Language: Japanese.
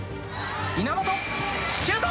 稲本シュート！